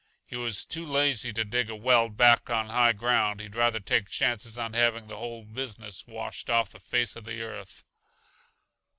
He was too lazy to dig a well back on high ground; he'd rather take chances on having the whole business washed off the face uh the earth."